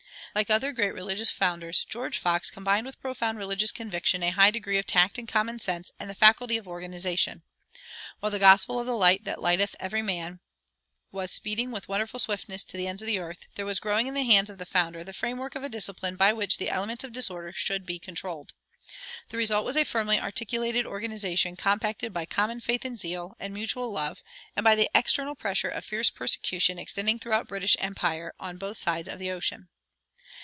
Like other great religious founders, George Fox combined with profound religious conviction a high degree of tact and common sense and the faculty of organization. While the gospel of "the Light that lighteth every man" was speeding with wonderful swiftness to the ends of the earth, there was growing in the hands of the founder the framework of a discipline by which the elements of disorder should be controlled.[114:1] The result was a firmly articulated organization compacted by common faith and zeal and mutual love, and by the external pressure of fierce persecution extending throughout the British empire on both sides of the ocean.